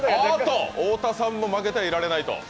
太田さんも負けていられないと。